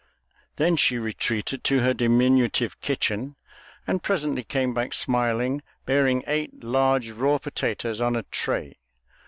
Then she retreated to her diminutive kitchen, and presently came back smiling, bearing eight large raw potatoes on a tray.